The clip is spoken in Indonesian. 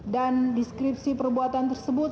dan deskripsi perbuatan tersebut